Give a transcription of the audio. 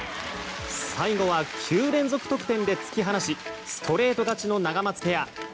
最後は、９連続得点で突き放しストレート勝ちのナガマツペア。